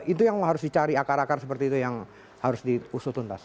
itu yang harus dicari akar akar seperti itu yang harus diusut untas